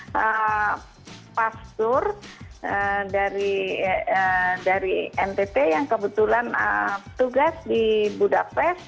ada pastur dari ntt yang kebetulan tugas di budapest